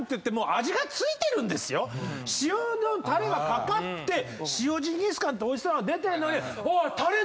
塩のタレが掛かって塩ジンギスカンっておいしそうなの出てんのに。